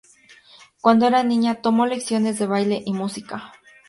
Cuando era niña, tomo lecciones de baile y música.